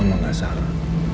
mama gak salah